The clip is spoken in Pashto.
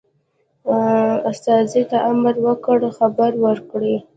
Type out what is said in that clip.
استازي ته امر وکړ خبر ورکړي.